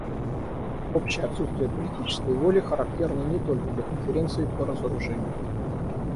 Общее отсутствие политической воли характерно не только для Конференции по разоружению.